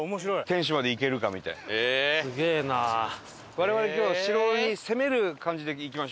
我々今日城に攻める感じで行きましょう。